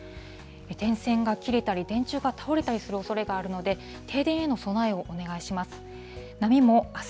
電線が切れたり、電柱が倒れたりするおそれがあるので、停電への備えをお願いします。